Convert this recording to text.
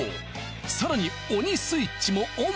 更に鬼スイッチもオン！